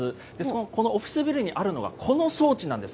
このオフィスビルにあるのが、この装置なんです。